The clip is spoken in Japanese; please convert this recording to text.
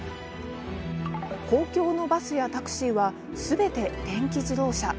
公共のバスやタクシーはすべて電気自動車。